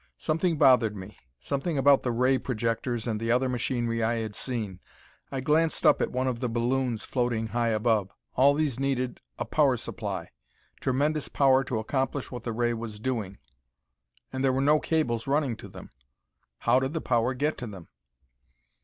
Something bothered me. Something about the ray projectors and the other machinery I had seen. I glanced up at one of the balloons floating high above. All these needed a power supply; tremendous power to accomplish what the ray was doing. And there were no cables running to them. How did the power get to them?